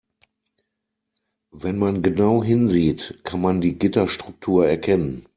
Wenn man genau hinsieht, kann man die Gitterstruktur erkennen.